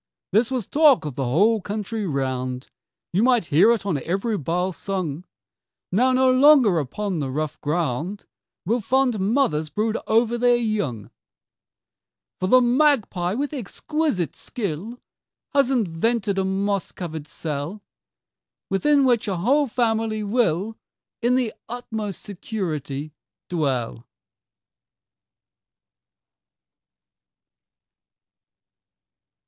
This was talk'd of the whole country round; You might hear it on every bough sung, "Now no longer upon the rough ground Will fond mothers brood over their young:" "For the magpie with exquisite skill Has invented a moss cover'd cell Within which a whole family will In the utmost security dwell."